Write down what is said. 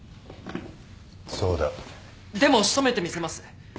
でも仕留めてみせます。